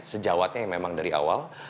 sejawatnya memang dari awal